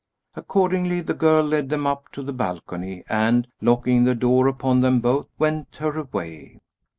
Accordingly the girl led them up to the balcony and, locking the door upon them both, went her way.